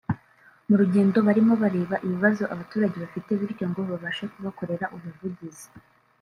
mu rugendo barimo bareba ibibazo abaturage bafite bityo ngo babashe kubakorera ubuvugizi